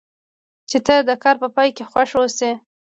چې ته د کار په پای کې خوښ اوسې.